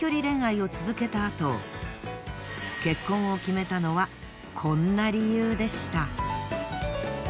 恋愛を続けたあと結婚を決めたのはこんな理由でした。